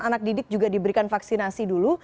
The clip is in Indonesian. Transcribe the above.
anak didik juga diberikan vaksinasi dulu